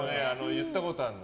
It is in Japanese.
言ったことあるの。